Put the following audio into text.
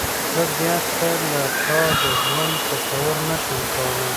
زه پرته له تا د ژوند تصور نشم کولای.